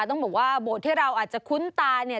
ต้องบอกว่าโบสถ์ที่เราอาจจะคุ้นตาเนี่ย